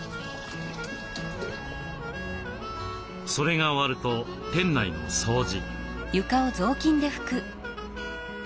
それが終わると店内の掃除。